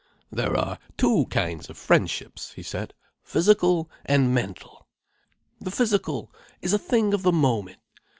"There are two kinds of friendships," he said, "physical and mental. The physical is a thing of the moment.